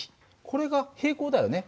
これが平行だよね。